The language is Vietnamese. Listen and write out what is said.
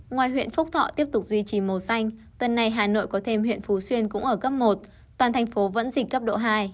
ngoài huyện phúc thọ tiếp tục duy trì màu xanh tuần này hà nội có thêm huyện phú xuyên cũng ở cấp một toàn thành phố vẫn dịch cấp độ hai